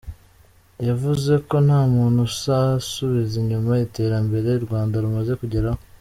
Yavuze ko nta muntu uzasubiza inyuma iterambere u Rwanda rumaze kugeraho.